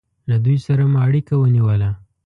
له دوی سره مو اړیکه ونیوله.